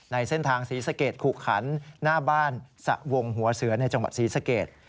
ในเส้นทางศรีสะเกดขุขันหน้าบ้านสะวงหัวเสือในจังหวัดศรีสเกต